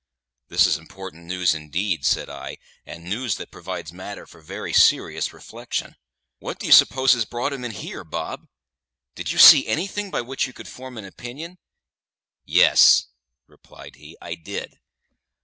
"This is important news, indeed," said I; "and news that provides matter for very serious reflection. What do you suppose has brought them in here, Bob? Did you see anything by which you could form an opinion?" "Yes," replied he, "I did.